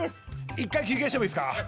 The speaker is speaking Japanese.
一回休憩してもいいですか？